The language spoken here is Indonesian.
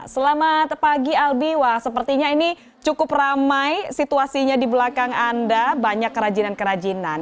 selamat pagi albi wah sepertinya ini cukup ramai situasinya di belakang anda banyak kerajinan kerajinan